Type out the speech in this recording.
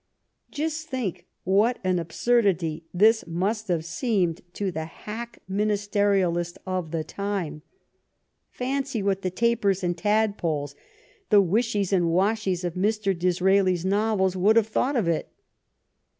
Just think what an absurdity this must have seemed to the hack ministerialist of the time ! Fancy what the Tapers and Tadpoles, the Wishies and Washies of Mr. Disraeli's novels, would have thought of it